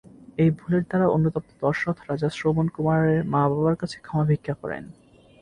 এই ভুলের দ্বারা অনুতপ্ত দশরথ রাজা শ্রবণ কুমারের মা-বাবার কাছে ক্ষমা ভিক্ষা করেন।